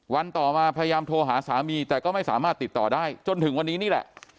ต่อมาพยายามโทรหาสามีแต่ก็ไม่สามารถติดต่อได้จนถึงวันนี้นี่แหละ